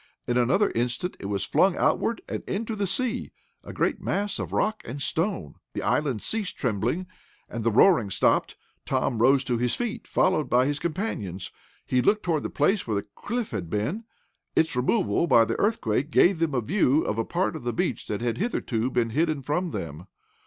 In another instant it was flung outward and into the sea, a great mass of rock and stone. The island ceased trembling, and the roaring stopped. Tom rose to his feet, followed by his companions. He looked toward the place where the cliff had been. Its removal by the earthquake gave them a view of a part of the beach that had hitherto been hidden from them.